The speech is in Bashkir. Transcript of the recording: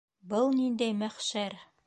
Был ниндәй мәхшәр?!